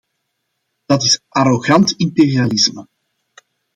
Dat is arrogant imperialisme.